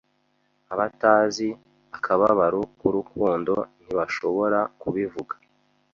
Abatazi akababaro k'urukundo ntibashobora kubivuga